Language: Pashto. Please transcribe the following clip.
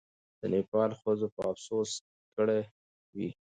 د نېپال ښځو به افسوس کړی وي.